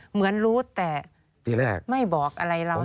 เหมือนรู้แต่ไม่บอกอะไรเราให้มันละเอียดตีแรก